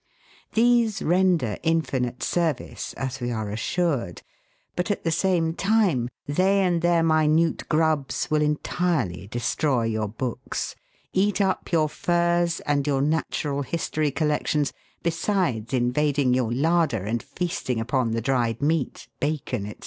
These render infinite service, as we are assured, but, at the same time, they and their minute grubs will entirely destroy your books, eat up your furs and your natural history collections, besides invading your larder, and feasting upon the dried meat, bacon, &c.